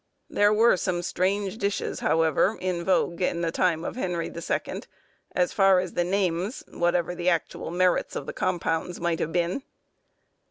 There were some strange dishes, however, in vogue in the time of Henry the Second, as far as the names, whatever the actual merits of the compounds might have been.